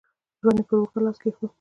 ځوان يې پر اوږه لاس کېښود.